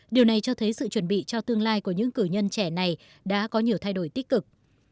điều này cho thấy sự chuẩn bị cho tương lai của những cử nhân trẻ này đã có nhiều thay đổi tích cực